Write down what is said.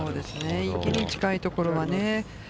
池に近いところはね。